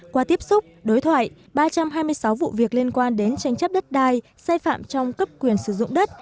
qua tiếp xúc đối thoại ba trăm hai mươi sáu vụ việc liên quan đến tranh chấp đất đai sai phạm trong cấp quyền sử dụng đất